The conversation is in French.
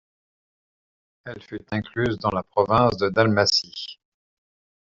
Elle fut incluse dans la province de Dalmatie.